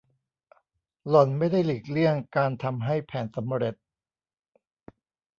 หล่อนไม่ได้หลีกเลี่ยงจากการทำให้แผนสำเร็จ